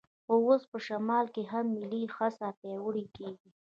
خو اوس په شمال کې هم ملي حس پیاوړی کېږي.